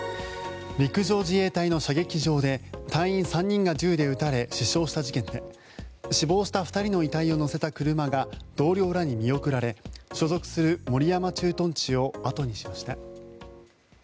陸上自衛隊の射撃場で隊員３人が銃で撃たれ死傷した事件で死亡した２人の遺体を乗せた車が同僚らに見送られ所属する守山駐屯地を後にしました。